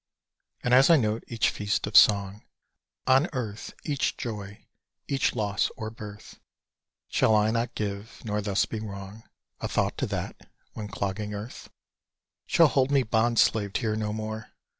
And as I note each feast of song On earth; each joy, each loss or birth, Shall I not give nor thus be wrong A thought to that, when clogging earth Shall hold me bond slave here no more!